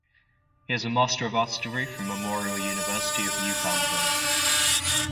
He has a Master of Arts degree from Memorial University of Newfoundland.